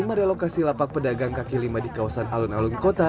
merelokasi lapak pedagang kaki lima di kawasan alun alun kota